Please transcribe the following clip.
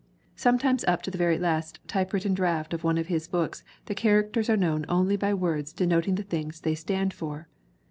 Sometimes up to the very last typewritten draft of one of his books the characters are known only by words denoting the things they stand for.